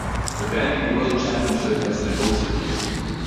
The Bandy World Championship has been hosted here.